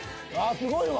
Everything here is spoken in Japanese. すごいわ！